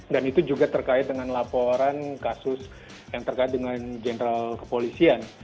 dan itu juga terkait dengan laporan kasus yang terkait dengan jenderal kepolisian